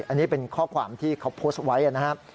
อันนี้เป็นข้อความที่เขาโพสต์ไว้นะครับ